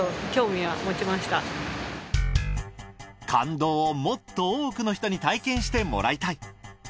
感動をもっと多くの人に体験してもらいたい。